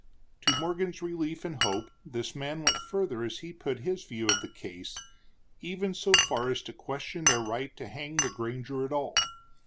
To Morgan's relief and hope this man went further as he put his view of the case, even so far as to question their right to hang the granger at all.